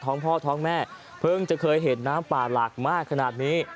นี่นี่นี่นี่นี่